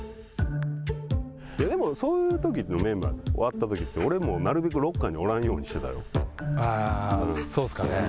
でも、そういうときのメンバー終わったときって俺も、なるべくロッカーにおらんああ、そうですかね。